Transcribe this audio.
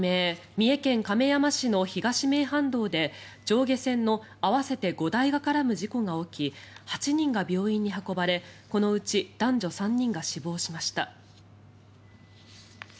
三重県亀山市の東名阪道で上下線の合わせて５台が絡む事故が起き８人が病院に運ばれこのうち男女３人が死亡しました。